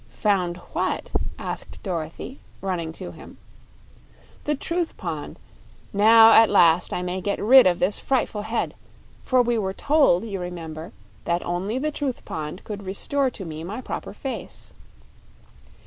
"Found what?" asked Dorothy, running to him. "The Truth Pond. Now, at last, I may get rid of this frightful head; for we were told, you remember, that only the Truth Pond could restore to me my proper face."